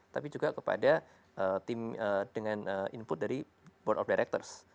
tapi juga kepada tim dengan input dari board of directors